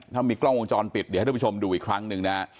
ถ้ามีกล้องวงจรปิดเดี๋ยวให้ทุกผู้ชมดูอีกครั้งหนึ่งนะฮะ